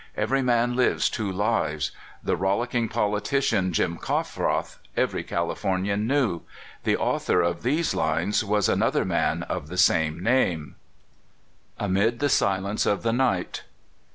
Every man lives two lives. The rollicking politician, *'Jim Coffroth," every Californian knew; the au thor of these lines was another man of the same name : Amid the Silence of the Night.